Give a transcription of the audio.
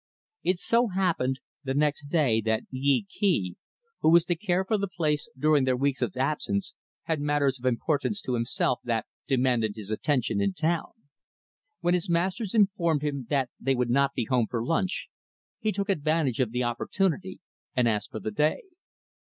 It so happened, the next day, that Yee Kee, who was to care for the place during their weeks of absence had matters of importance to himself, that demanded his attention in town. When his masters informed him that they would not be home for lunch, he took advantage of the opportunity and asked for the day.